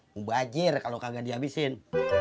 mubahajir kalau kagak dihabisin